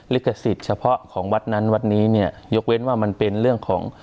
ลิขสิทธิ์เฉพาะของวัดนั้นวัดนี้เนี่ยยกเว้นว่ามันเป็นเรื่องของ